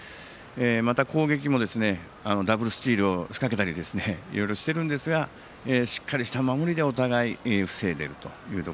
また攻撃もダブルスチールを仕掛けたりいろいろしているんですがしっかりした守りでお互い防いでいると。